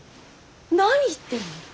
何言ってるの。